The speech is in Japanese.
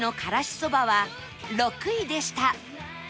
そばは６位でした